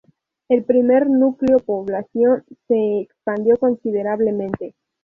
El primer núcleo población se expandió considerablemente.